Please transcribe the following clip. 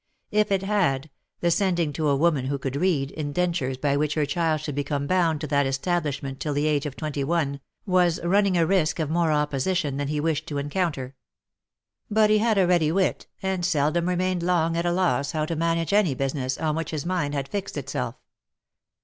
If it had, the sending to a woman who could read, indentures by which her child should become bound to that establishment till the age of twenty one, was running a risk of more opposition than he wished to encounter. But he had a ready wit, and seldom remained long at a loss how to manage any business on which his mind had fixed itself.